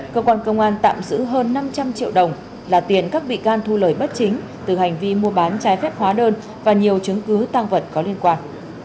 cơ quan công an tạm giữ hơn năm trăm linh triệu đồng là tiền các bị can thu lời bất chính từ hành vi mua bán trái phép hóa đơn và nhiều chứng cứ tăng vật có liên quan